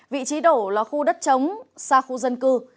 vị trí đổ là khu đất trống xa khu dân cư